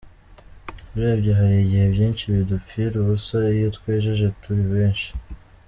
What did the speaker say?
Urebye hari igihe byinshi bidupfira ubusa iyo twejeje turi benshi.